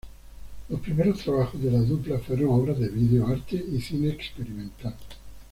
Los primeros trabajos de la dupla fueron obras de video arte y cine experimental.